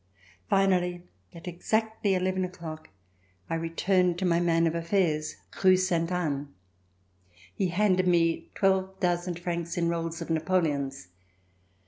Finally, at exactly eleven o'clock, I re turned to my man of afi^airs. Rue Sainte Anne. He handed me 12,000 francs in rolls of napoleons.